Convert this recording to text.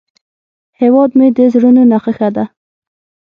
هیواد مې د زړونو نخښه ده